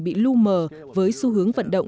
bị lưu mờ với xu hướng vận động